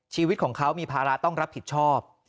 ชีวิตของเขามีภาระต้องรับผิดชอบ